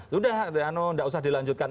sudah tidak usah dilanjutkan